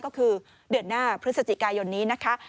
ก็คือเดือนหน้าพฤศจิกายนนี้นะคะ